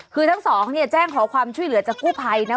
คือทั้งสองเนี่ยแจ้งขอความช่วยเหลือจากกู้ภัยนะ